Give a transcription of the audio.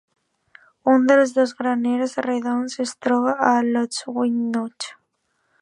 Un dels dos graners rodons es troba a Lochwinnoch.